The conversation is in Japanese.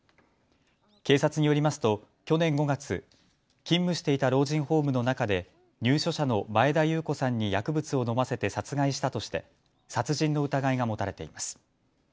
警察によりますと去年５月、勤務していた老人ホームの中で入所者の前田裕子さんに薬物を飲ませて殺害したとして殺人の疑いが持たれています。